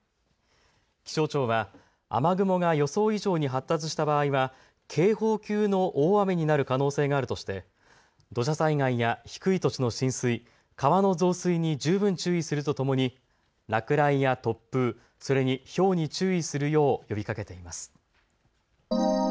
気象庁は雨雲が予想以上に発達した場合は警報級の大雨になる可能性があるとして土砂災害や低い土地の浸水、川の増水に十分注意するとともに落雷や突風、それにひょうに注意するよう呼びかけています。